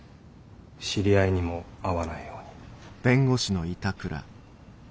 知り合いにも会わないように。